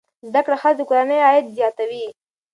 زده کړه ښځه د کورنۍ عاید زیاتوي.